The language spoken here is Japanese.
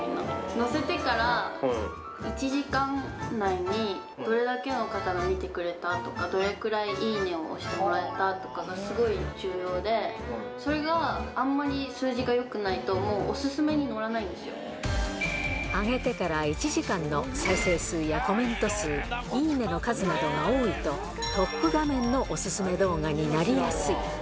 載せてから１時間以内にどれだけの方が見てくれたとか、どれくらいいいねを押してもらえたとかがすごい重要で、それがあんまり数字がよくないと、上げてから１時間の再生数やコメント数、いいねの数などが多いと、トップ画面のお勧め動画になりやすい。